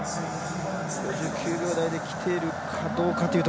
５９秒台できているかどうか。